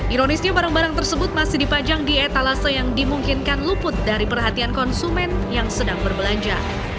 ironisnya barang barang tersebut masih dipajang di etalase yang dimungkinkan luput dari perhatian konsumen yang sedang berbelanja